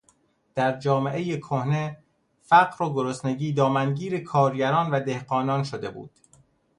در جامعهٔ کهنه فقر و گرسنگی دامن گیر کارگران و دهقانان شده بود.